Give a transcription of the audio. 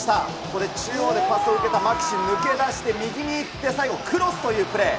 これ中央でパスを受けたマキシ、抜け出して右に行って最後、クロスというプレー。